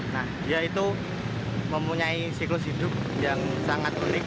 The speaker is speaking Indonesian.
nah dia itu mempunyai siklus hidup yang sangat unik